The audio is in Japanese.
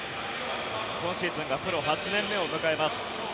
今シーズンプロ８年目を迎えます。